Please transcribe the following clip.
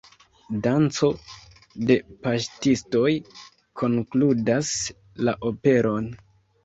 Danco de paŝtistoj konkludas la operon.